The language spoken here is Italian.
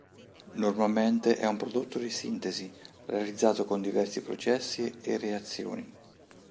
Normalmente è un prodotto di sintesi realizzato con diversi processi e reazioni.